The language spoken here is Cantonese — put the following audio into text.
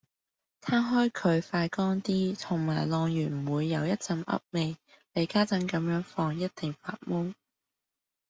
攤開佢快乾啲，同埋晾完唔會有一陣噏味，你家陣咁樣放一定發霉